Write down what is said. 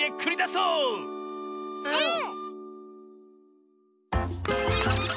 うん！